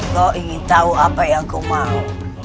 kau ingin tahu apa yang kau mau